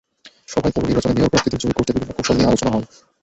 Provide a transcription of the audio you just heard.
সভায় পৌর নির্বাচনে মেয়র প্রার্থীদের জয়ী করতে বিভিন্ন কৌশল নিয়ে আলোচনা হয়।